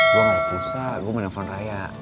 gue gak ada pulsa gue menelepon raya